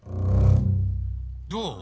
どう？